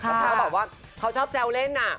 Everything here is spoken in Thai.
พอบอกว่าเขาชอบแยวเล่น